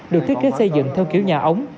được thiết kế xây dựng theo kiểu nhà ống